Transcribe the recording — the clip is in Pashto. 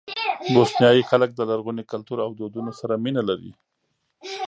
بوسنیایي خلک د لرغوني کلتور او دودونو سره مینه لري.